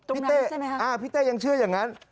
ตรงนั้นใช่ไหมครับพี่เต้ยังเชื่ออย่างนั้น